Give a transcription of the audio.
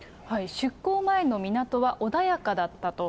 出航前の港は穏やかだったと。